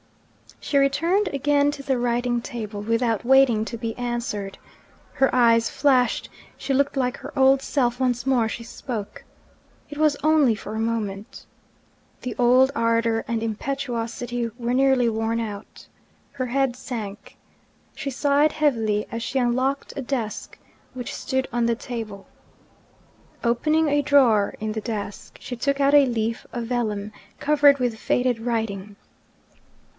She returned again to the writing table, without waiting to be answered. Her eyes flashed; she looked like her old self once more as she spoke. It was only for a moment. The old ardour and impetuosity were nearly worn out. Her head sank; she sighed heavily as she unlocked a desk which stood on the table. Opening a drawer in the desk, she took out a leaf of vellum, covered with faded writing.